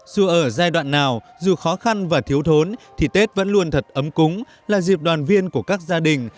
dù ở giai đoạn nào dù khó khăn và thiếu thốn thì tết vẫn luôn thật ấm cúng là dịp đoàn viên của các gia đình